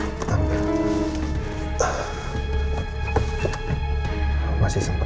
masih sempet masih sempet